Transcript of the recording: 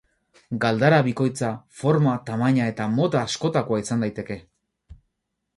Galdara bikoitza forma, tamaina eta mota askotakoa izan daiteke.